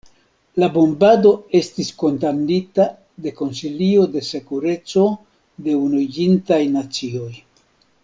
La bombado estis kondamnita de Konsilio de Sekureco de Unuiĝintaj Nacioj.